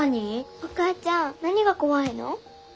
お母ちゃん何が怖いの？